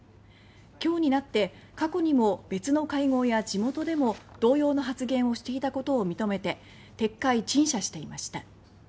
今日になって過去にも別の会合や地元でも同様の発言をしていたことを認めて撤回、陳謝していました。